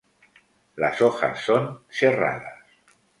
Las hojas son serradas.